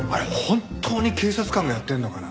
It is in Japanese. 本当に警察官がやってるのかな？